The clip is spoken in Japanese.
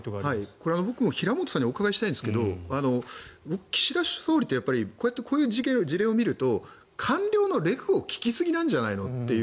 これは僕も平元さんにお伺いしたいんですけど岸田総理のこういう事例を見ると官僚のレクを聞きすぎなんじゃないのという